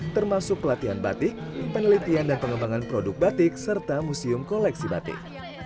termasuk pelatihan batik penelitian dan pengembangan produk batik serta museum koleksi batik